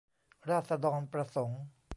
ราษฎรประสงค์